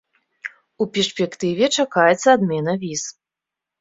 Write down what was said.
У перспектыве чакаецца адмена віз.